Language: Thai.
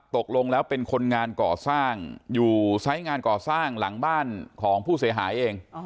ตกลงแล้วเป็นคนงานก่อสร้างอยู่ไซส์งานก่อสร้างหลังบ้านของผู้เสียหายเอง